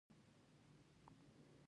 پسه له کورنۍ سره مینه لري.